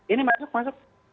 ini masuk masuk